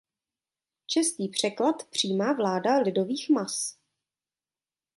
Český překlad „"přímá vláda lidových mas"“.